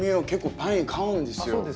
結構パイン買うんですよ。